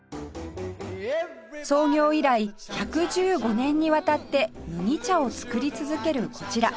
創業以来１１５年にわたって麦茶を作り続けるこちら